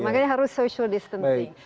makanya harus social distancing